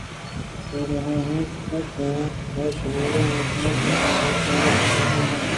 تئی گناہ نہ اِنت گوں تو گلگ نہ کناں کہ تو منی کار ءَ کُت نہ کنئے